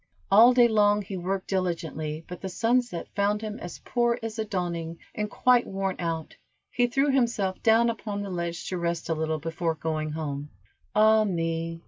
All day long he worked diligently, but the sunset found him as poor as the dawning, and quite worn out, he threw himself down upon the ledge to rest a little before going home. "Ah, me!"